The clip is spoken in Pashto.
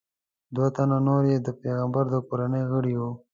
دوه تنه نور یې د پیغمبر د کورنۍ غړي وو.